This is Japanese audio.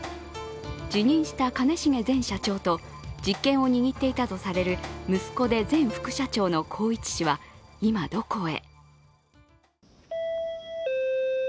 辞任した兼重前社長と実権を握っていたとされる息子で前副社長の宏一氏は今どこへ。